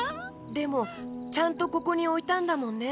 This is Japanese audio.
でもちゃんとここにおいたんだもんね。